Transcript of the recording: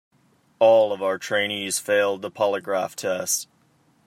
All of our trainees failed the polygraph test.